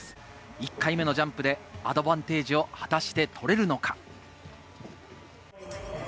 １回目のジャンプでアドバンテージを果たして取れるのか？